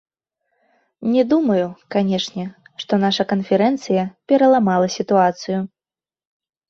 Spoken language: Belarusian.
Не думаю, канешне, што наша канферэнцыя пераламала сітуацыю.